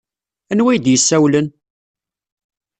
Anwa ay d-yessawlen?